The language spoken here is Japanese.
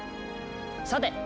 さて！